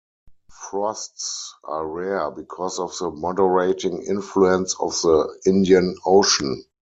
Frosts are rare because of the moderating influence of the Indian Ocean.